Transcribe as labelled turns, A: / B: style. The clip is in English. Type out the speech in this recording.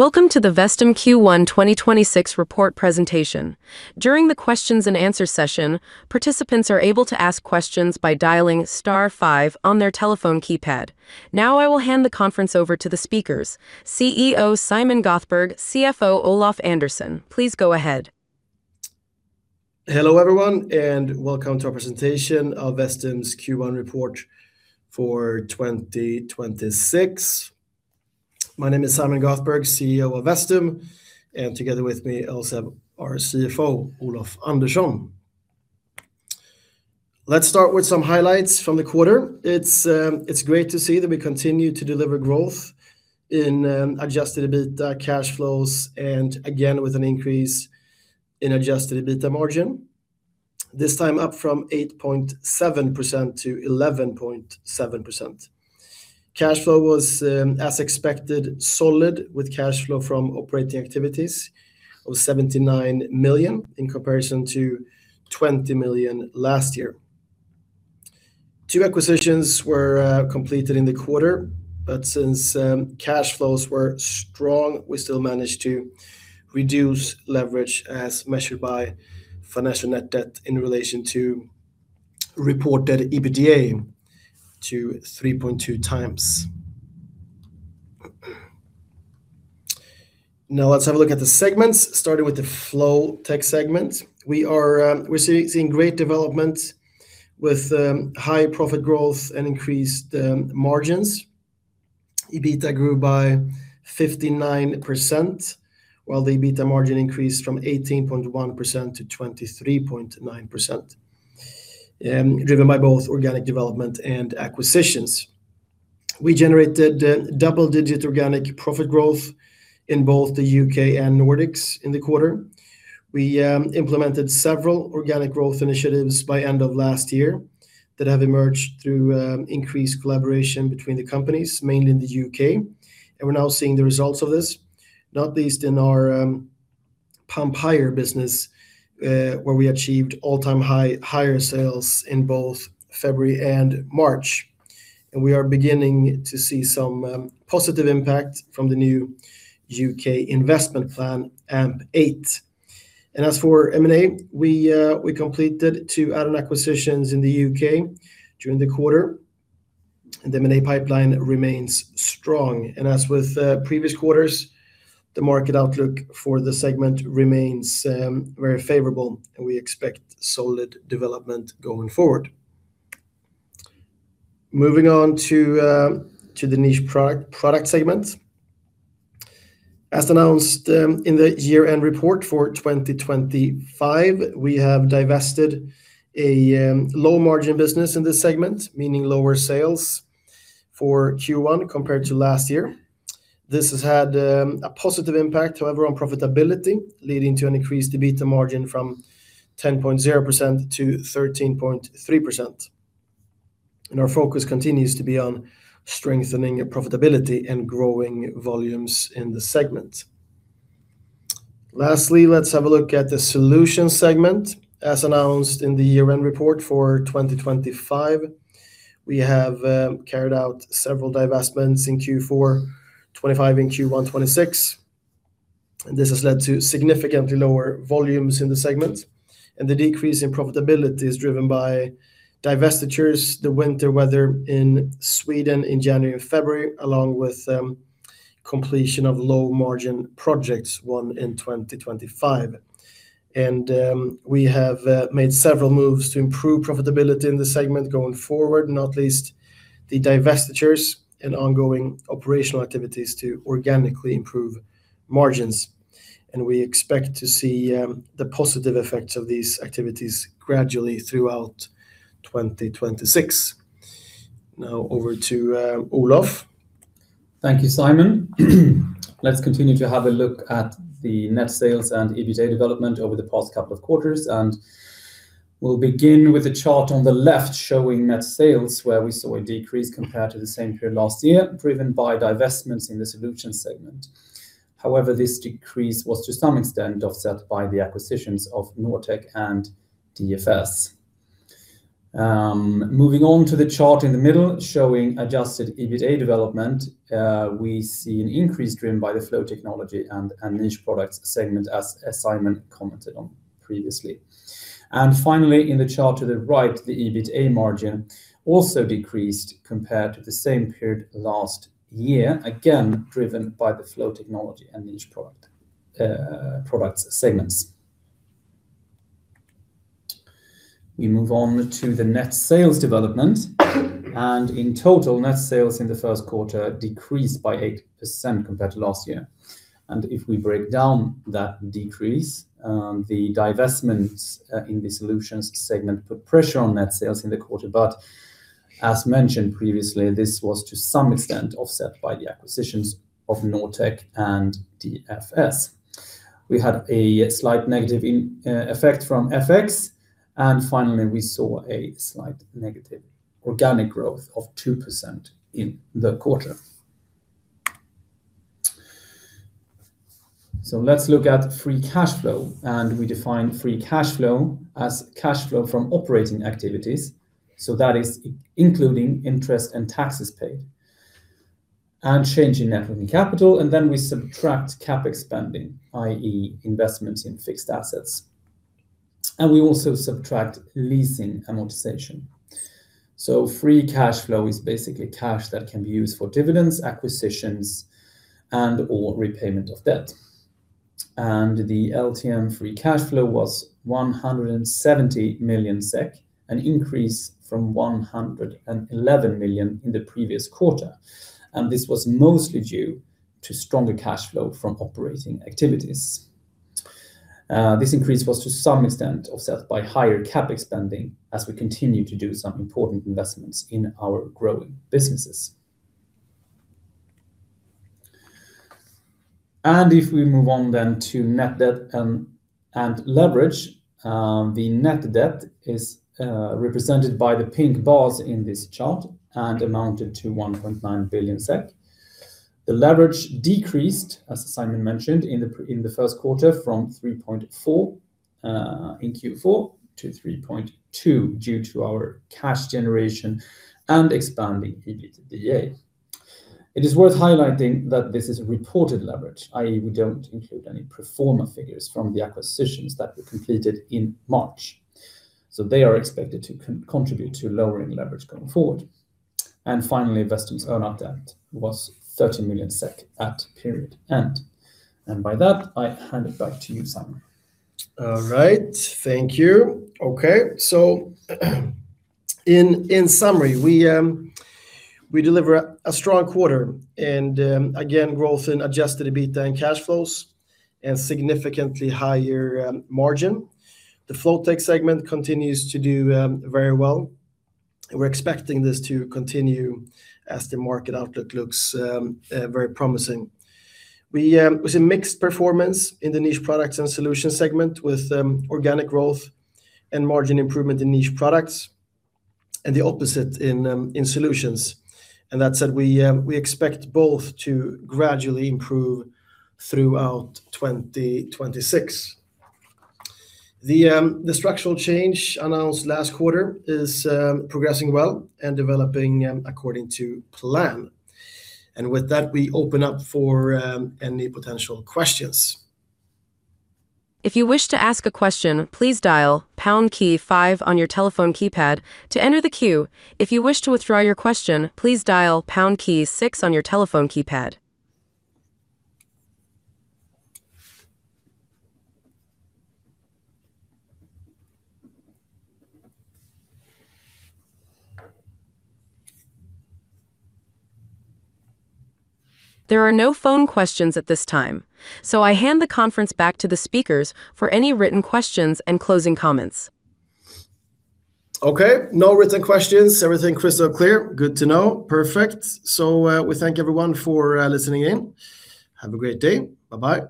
A: Welcome to the Vestum Q1 2026 report presentation. During the questions-and-answer session, participants are able to ask questions by dialing star five on their telephone keypad. Now, I will hand the conference over to the speakers. CEO Simon Göthberg, CFO Olof Andersson, please go ahead.
B: Hello, everyone, and welcome to our presentation of Vestum's Q1 report for 2026. My name is Simon Göthberg, CEO of Vestum, and together with me also our CFO, Olof Andersson. Let's start with some highlights from the quarter. It's great to see that we continue to deliver growth in adjusted EBITDA cash flows and again with an increase in adjusted EBITDA margin, this time up from 8.7% to 11.7%. Cash flow was as expected, solid with cash flow from operating activities of 79 million in comparison to 20 million last year. Two acquisitions were completed in the quarter, but since cash flows were strong, we still managed to reduce leverage as measured by financial net debt in relation to reported EBITDA to 3.2x. Now let's have a look at the segments, starting with the Flow Tech segment. We're seeing great development with high profit growth and increased margins. EBITDA grew by 59% while the EBITDA margin increased from 18.1% to 23.9%, driven by both organic development and acquisitions. We generated double-digit organic profit growth in both the U.K. and Nordics in the quarter. We implemented several organic growth initiatives by end of last year that have emerged through increased collaboration between the companies, mainly in the U.K. We're now seeing the results of this, not least in our pump hire business, where we achieved all-time high hire sales in both February and March. We are beginning to see some positive impact from the new U.K. investment plan, AMP8. As for M&A, we completed two add-on acquisitions in the U.K. during the quarter, and the M&A pipeline remains strong. As with previous quarters, the market outlook for the segment remains very favorable, and we expect solid development going forward. Moving on to the Niche Products segment. As announced in the year-end report for 2025, we have divested a low-margin business in this segment, meaning lower sales for Q1 compared to last year. This has had a positive impact, however, on profitability, leading to an increased EBITDA margin from 10.0% to 13.3%. Our focus continues to be on strengthening profitability and growing volumes in the segment. Lastly, let's have a look at the Solutions segment. As announced in the year-end report for 2025, we have carried out several divestments in Q4 2025 and Q1 2026. This has led to significantly lower volumes in the segment, and the decrease in profitability is driven by divestitures, the winter weather in Sweden in January and February, along with completion of low-margin projects won in 2025. We have made several moves to improve profitability in the segment going forward, not least the divestitures and ongoing operational activities to organically improve margins. We expect to see the positive effects of these activities gradually throughout 2026. Now over to Olof.
C: Thank you, Simon. Let's continue to have a look at the net sales and EBITDA development over the past couple of quarters. We'll begin with the chart on the left showing net sales, where we saw a decrease compared to the same period last year, driven by divestments in the Solutions segment. However, this decrease was to some extent offset by the acquisitions of Nortech and DFS. Moving on to the chart in the middle showing adjusted EBITDA development, we see an increase driven by the Flow Technology and Niche Products segment as Simon commented on previously. Finally, in the chart to the right, the EBITDA margin also decreased compared to the same period last year, again driven by the Flow Technology and Niche Products segments. We move on to the net sales development. In total, net sales in the first quarter decreased by 8% compared to last year. If we break down that decrease, the divestments in the Solutions segment put pressure on net sales in the quarter. As mentioned previously, this was to some extent offset by the acquisitions of Nortech and DFS. We had a slight negative effect from FX. Finally, we saw a slight negative organic growth of 2% in the quarter. Let's look at free cash flow, and we define free cash flow as cash flow from operating activities, so that is including interest and taxes paid, and change in net working capital, and then we subtract CapEx spending, i.e. investments in fixed assets. We also subtract leasing amortization. Free cash flow is basically cash that can be used for dividends, acquisitions, and/or repayment of debt. The LTM free cash flow was 170 million SEK, an increase from 111 million in the previous quarter, and this was mostly due to stronger cash flow from operating activities. This increase was to some extent offset by higher CapEx spending as we continue to do some important investments in our growing businesses. If we move on then to net debt and leverage, the net debt is represented by the pink bars in this chart and amounted to 1.9 billion SEK. The leverage decreased, as Simon mentioned, in the first quarter from 3.4x in Q4 to 3.2x due to our cash generation and expanding EBITDA. It is worth highlighting that this is reported leverage, i.e. We don't include any pro forma figures from the acquisitions that were completed in March, so they are expected to contribute to lowering leverage going forward. Finally, investments own debt was 30 million SEK at period end. By that, I hand it back to you, Simon.
B: All right. Thank you. Okay. In summary, we deliver a strong quarter and again growth in adjusted EBITDA and cash flows and significantly higher margin. The Flow Tech segment continues to do very well. We're expecting this to continue as the market outlook looks very promising. We saw mixed performance in the Niche Products and Solutions segment with organic growth and margin improvement in Niche Products and the opposite in Solutions. That said, we expect both to gradually improve throughout 2026. The structural change announced last quarter is progressing well and developing according to plan. With that, we open up for any potential questions.
A: If you wish to ask a question, please dial pound key five on your telephone keypad to enter the queue. If you wish to withdraw your question, please dial pound key six on your telephone keypad. There are no phone questions at this time, so I hand the conference back to the speakers for any written questions and closing comments.
B: Okay. No written questions. Everything crystal clear. Good to know. Perfect. We thank everyone for listening in. Have a great day. Bye-bye.